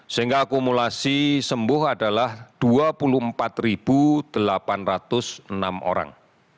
sehingga akumulasi sembuh adalah dua puluh empat delapan ratus enam orang